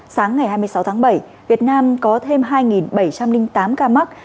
sáng ngày hai mươi sáu tháng bảy việt nam có thêm hai bảy trăm linh tám ca mắc